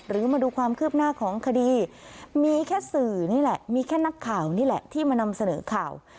มาดูความคืบหน้าของคดีมีแค่สื่อนี่แหละมีแค่นักข่าวนี่แหละที่มานำเสนอข่าว